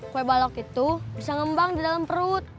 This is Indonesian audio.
kue balok itu bisa ngembang di dalam perut